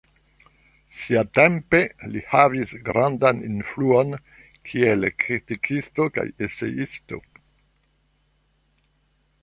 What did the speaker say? Siatempe li havis grandan influon kiel kritikisto kaj eseisto.